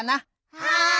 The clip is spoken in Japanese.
はい！